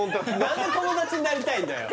何で友達になりたいんだよ